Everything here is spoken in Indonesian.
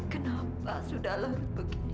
kenapa sudah larut begini